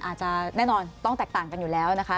อาจจะแน่นอนต้องแตกต่างกันอยู่แล้วนะคะ